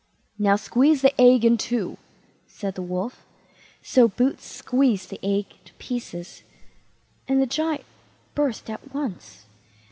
"Now, squeeze the egg in two", said the Wolf. So Boots squeezed the egg to pieces, and the Giant burst at once.